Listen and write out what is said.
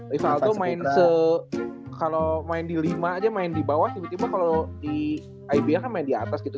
rivaldo main di lima aja main di bawah tiba tiba kalau di ib nya kan main di atas gitu